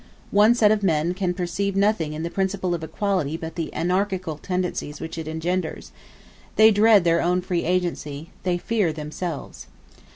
One set of men can perceive nothing in the principle of equality but the anarchical tendencies which it engenders: they dread their own free agency they fear themselves.